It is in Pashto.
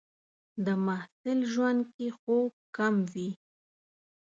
د محصل ژوند کې خوب کم وي.